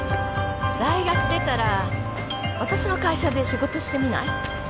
大学出たら私の会社で仕事してみない？